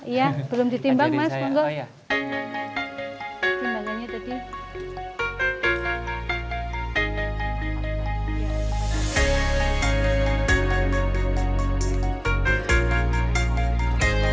iya belum ditimbang mas